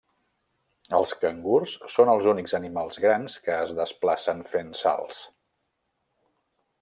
Els cangurs són els únics animals grans que es desplacen fent salts.